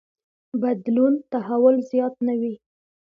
بدلون تحول زیات نه وي.